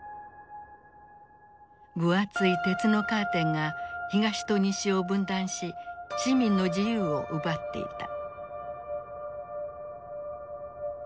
分厚い鉄のカーテンが東と西を分断し市民の自由を奪っていた。